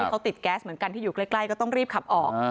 เขาติดแก๊สเหมือนกันที่อยู่ใกล้ก็ต้องรีบขับออก